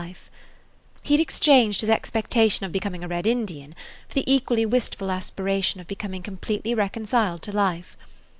[Page 13] He had exchanged his expectation of becoming a red Indian for the equally wistful aspiration of becoming completely reconciled to life.